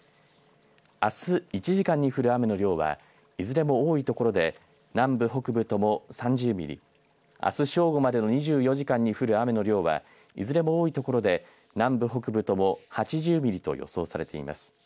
あす１時間に降る雨の量はいずれも多いところで南部北部とも３０ミリあす正午までの２４時間に降る雨の量はいずれも多いところで南部、北部とも８０ミリと予想されています。